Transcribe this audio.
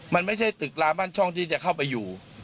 มันไม่ใช่ตึกลามั่นช่องที่จะเข้าไปอยู่